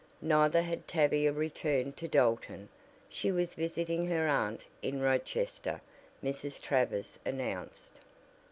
Neither had Tavia returned to Dalton. She was visiting her aunt in Rochester Mrs. Travers announced.